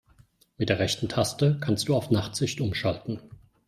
Mit der rechten Taste kannst du auf Nachtsicht umschalten.